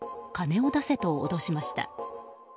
金を出せと脅しました。